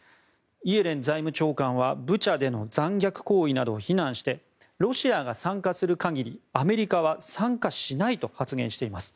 イエレン財務長官はブチャでの残虐行為などを非難してロシアが参加する限りアメリカは参加しないと発言しています。